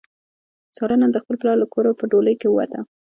ساره نن د خپل پلار له کوره په ډولۍ کې ووته.